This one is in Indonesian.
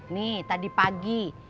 nih tadi pagi